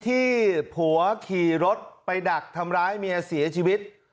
ที่ผัวขี่รถไปดักทำร้ายเมียเสียชีวิต